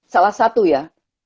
salah satu ya